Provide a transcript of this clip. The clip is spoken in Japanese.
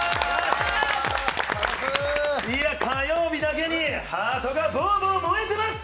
いや、火曜日だけにハートがボーボー燃えてます！